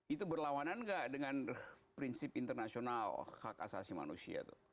itu berlawanan nggak dengan prinsip internasional hak asasi manusia